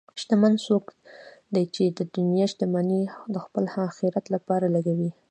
شتمن څوک دی چې د دنیا شتمني د خپل آخرت لپاره لګوي.